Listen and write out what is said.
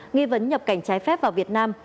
nghi vấn nhập cảnh trái phép vào việt nam